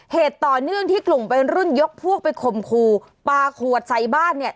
เหตุต่อเนื่องที่กลุ่มวัยรุ่นยกพวกไปข่มครูปลาขวดใส่บ้านเนี่ย